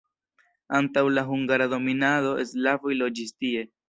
Antaŭ la hungara dominado slavoj loĝis tie.